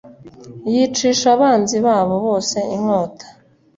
yicisha abanzi babo bose inkota